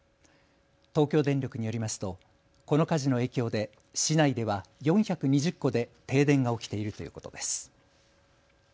東京電力によりますとこの火事の影響で市内では４２０戸で停電が起きているということです。